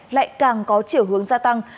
lại càng có chiều hướng gia tăng